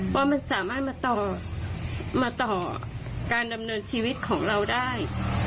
ว่ามันสามารถมาต่อการดำเนินชีวิตของเราได้